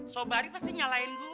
sobari pasti nyalain gue